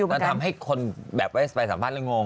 นักทำให้คนแบบไปสัมภาษณ์แล้วมันงง